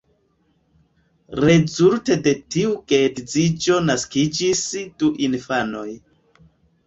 Rezulte de tiu geedziĝo naskiĝis du infanoj.